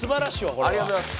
ありがとうございます。